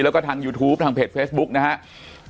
แล้วก็ทางยูทูปทางเพจเฟซบุ๊คนะครับ